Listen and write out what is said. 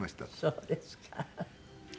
そうですか。